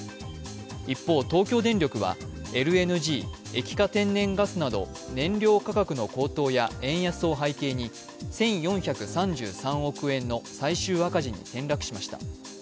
一方、東京電力はＬＮＧ＝液化天然ガスなど燃料価格の高騰や円安を背景に１４３３億円の最終赤字に転落しました。